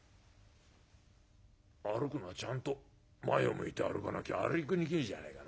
歩くならちゃんと前を向いて歩かなきゃ歩きにくいじゃないか。